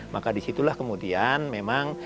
maka disitulah kemudian memang